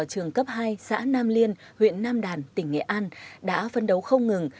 trường cấp hai xã nam liên huyện nam đàn tỉnh nghệ an đã phân đấu không ngừng